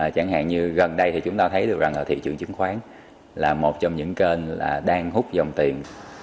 chẳng hạn như gần đây thì chúng ta thấy được rằng thị trường chứng khoán là một trong những kênh là đang hút dòng tiền